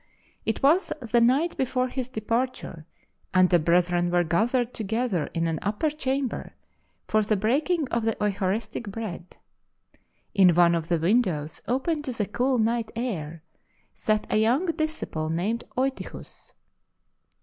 It was the night before his departure, and the brethren were gathered together in an upper chamber for the breaking of the Euchar istic Bread. In one of the windows, open to the cool night air, sat a young disciple named Eutychus.